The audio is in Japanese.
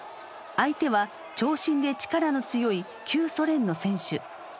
相手は長身で力の強い旧ソ連の選手。